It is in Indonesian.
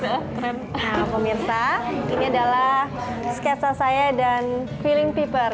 nah pemirsa ini adalah sketsa saya dan feeling paper